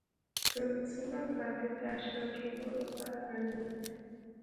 سلسله مراتب د اشنا کېدو لپاره اړینه ده.